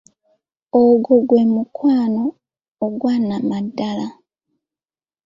Ogwo gwe mukwano ogwa Nnamaddala!